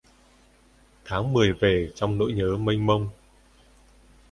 Tháng Mười về trong nỗi nhớ mênh mông